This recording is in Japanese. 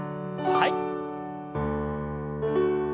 はい。